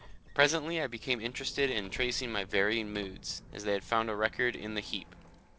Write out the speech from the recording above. Presently I became interested in tracing my varying moods, as they had found a record in the heap.